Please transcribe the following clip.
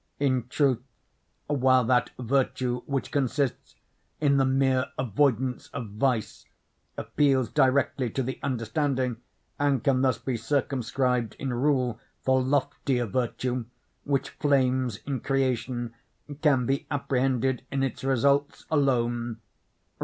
In truth, while that virtue which consists in the mere avoidance of vice appeals directly to the understanding, and can thus be circumscribed in rule, the loftier virtue, which flames in creation, can be apprehended in its results alone.